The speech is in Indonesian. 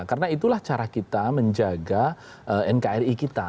karena itulah cara kita menjaga nkri kita